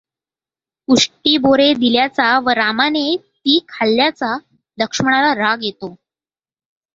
उष्टी बोरे दिल्ल्याचा व रामाने ती खाल्याचा लक्ष्मणाला राग येतो.